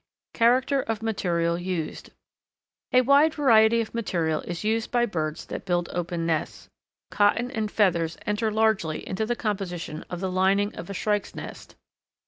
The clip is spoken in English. Character of Material Used. A wide variety of material is used by birds that build open nests. Cotton and feathers enter largely into the composition of the lining of a Shrike's nest.